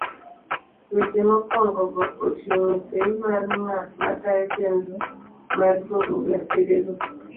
Weche mokwongogo oting'o sei mar ng'at matayo chenro mar pogo gasedego.